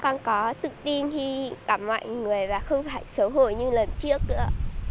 con có tự tin khi gặp mọi người và không phải xấu hổ như lần trước nữa